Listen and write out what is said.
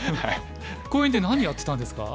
公園で何やってたんですか？